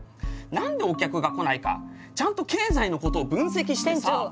何でお客が来ないかちゃんと経済のことを分析してさ。